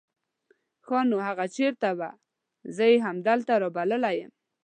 ښا نو هغه چېرته وو؟ زه يې همدلته رابللی يم.